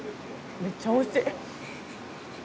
めちゃくちゃおいしい。